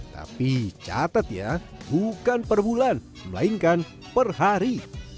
tapi catat ya bukan per bulan melainkan per hari